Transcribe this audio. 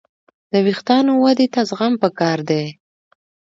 د وېښتیانو ودې ته زغم پکار دی.